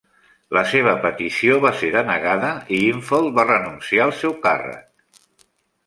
La seva petició va ser denegada i Infeld va renunciar al seu càrrec.